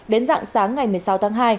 đến dạng sáng ngày một mươi sáu tháng hai